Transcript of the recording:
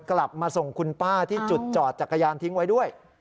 กลับมาส่งคุณป้าที่จุดจอดจักรยานทิ้งไว้ด้วย